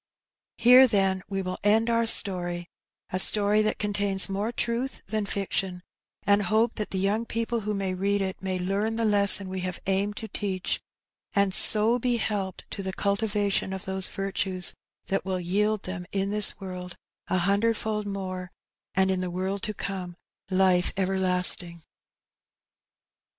Here, then, we will end our story — a story that contains more truth than fiction — and hope that the young people who may read it may learn the lesson we have aimed to teach, and so be helped to the cultivation of those virtues that will yield them in this world *^a hundredfold naore, and in the world to come Ufe everlasting.